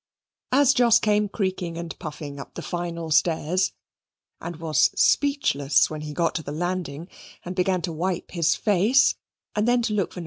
As Jos came creaking and puffing up the final stairs, and was speechless when he got to the landing, and began to wipe his face and then to look for No.